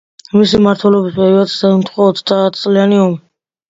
მისი მმართველობის პერიოდს დაემთხვა ოცდაათწლიანი ომი.